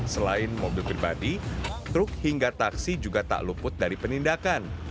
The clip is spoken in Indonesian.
selain mobil pribadi truk hingga taksi juga tak luput dari penindakan